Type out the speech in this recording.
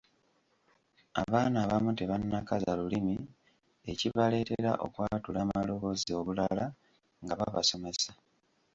Abaana abamu tebannakaza lulimi ekibaleetera okwatula amaloboozi obulala nga babasomesa.